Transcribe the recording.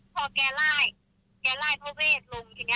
อะไรแบบนี้รู้เปล่าครับเขาไม่รู้ไงแต่ว่าเราไม่ได้เจียร์เออคนอาจจะมองอย่างเนี้ย